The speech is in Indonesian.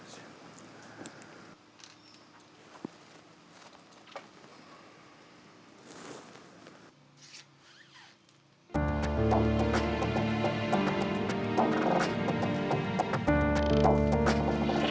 selamakrita ini l lambyangnya yang lainnya sudah kabur